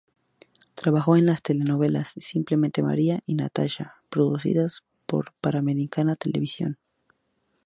Trabajó en las telenovelas "Simplemente María" y "Natacha", producidas por Panamericana Televisión.